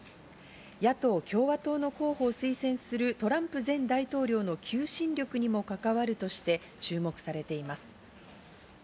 野党・共和党の候補を推薦するトランプ前大統領の求心力にも関わるとして注目されています。